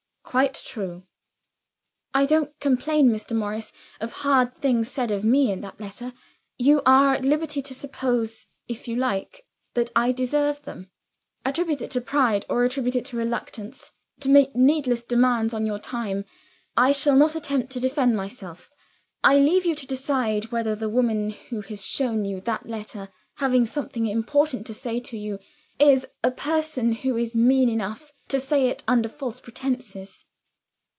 "Quite true." "I don't complain, Mr. Morris, of the hard things said of me in that letter; you are at liberty to suppose, if you like, that I deserve them. Attribute it to pride, or attribute it to reluctance to make needless demands on your time I shall not attempt to defend myself. I leave you to decide whether the woman who has shown you that letter having something important to say to you is a person who is mean enough to say it under false pretenses."